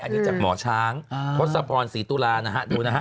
อันนี้จากหมอช้างทศพรศรีตุลานะฮะดูนะฮะ